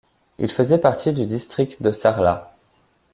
Il faisait partie du district de Sarlat.